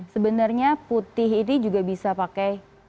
sebenarnya putih ini juga bisa pakai